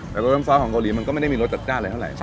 แต่รสน้ำซอสของเกาหลีมันก็ไม่ได้มีรสจัดจ้านอะไรเท่าไหร่